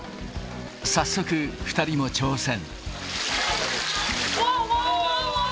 早速、２人も挑戦。